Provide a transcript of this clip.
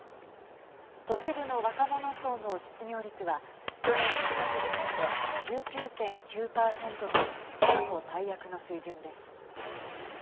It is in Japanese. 都市部の若者層の失業率は去年７月時点で１９．９％と過去最悪の水準です。